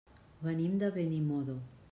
Venim de Benimodo.